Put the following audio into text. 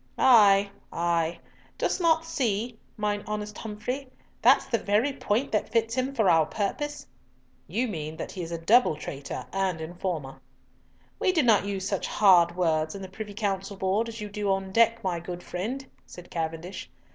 "Ay, ay. Dost not see, mine honest Humfrey, that's the very point that fits him for our purpose?" "You mean that he is a double traitor and informer." "We do not use such hard words in the Privy Council Board as you do on deck, my good friend," said Cavendish.